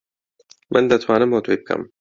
من دەتوانم بۆ تۆی بکەم.